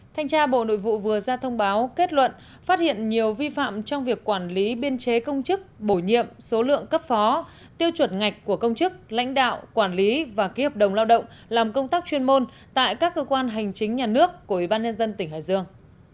thanh tra bộ nội vụ vừa ra thông báo kết luận phát hiện nhiều vi phạm trong việc quản lý biên chế công chức bổ nhiệm số lượng cấp phó tiêu chuẩn ngạch của công chức lãnh đạo quản lý và ký hợp đồng lao động làm công tác chuyên môn tại các cơ quan hành chính nhà nước của ủy ban nhân dân tỉnh hải dương